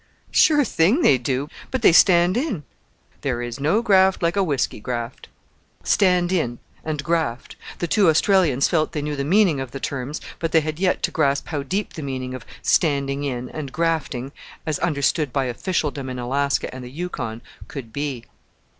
"Sure thing they do; but they 'stand in. There is no graft like a whisky graft." "Stand in" and "graft"! the two Australians felt they knew the meaning of the terms, but they had yet to grasp how deep the meaning of "standing in" and "grafting," as understood by officialdom in Alaska and the Yukon, could be.